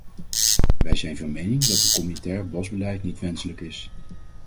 Wij zijn van mening dat een communautair bosbeleid niet wenselijk is.